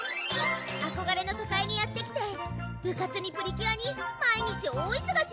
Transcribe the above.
あこがれの都会にやって来て部活にプリキュアに毎日大いそがし！